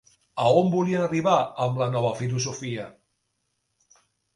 A on volien arribar amb la nova filosofia?